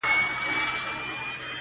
چي یې سرونه د بګړۍ وړ وه -